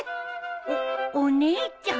おっお姉ちゃん。